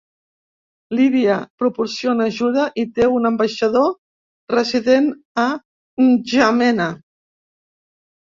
Líbia proporciona ajuda i té un ambaixador resident a N'Djamena.